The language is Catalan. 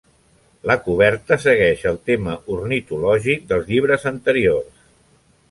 La coberta segueix el tema ornitològic dels llibres anteriors.